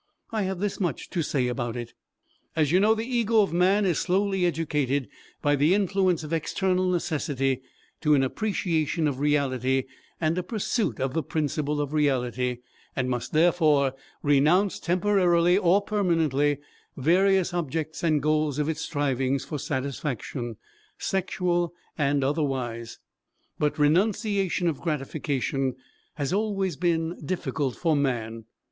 I have this much to say about it. As you know, the ego of man is slowly educated by the influence of external necessity to an appreciation of reality and a pursuit of the principle of reality, and must therefore renounce temporarily or permanently various objects and goals of its strivings for satisfaction, sexual and otherwise. But renunciation of gratification has always been difficult for man.